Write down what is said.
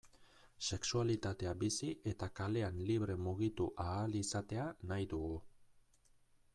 Sexualitatea bizi eta kalean libre mugitu ahal izatea nahi dugu.